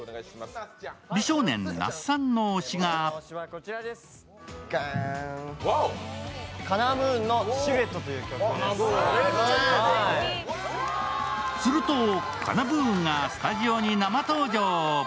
美少年・那須さんの推しがすると、ＫＡＮＡ−ＢＯＯＮがスタジオに生登場。